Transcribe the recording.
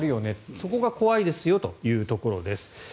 そこが怖いですよというところです。